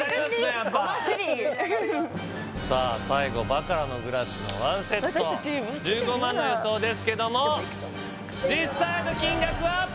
やっぱ急にゴマすりさあ最後バカラのグラスの１セット１５万の予想ですけども実際の金額は？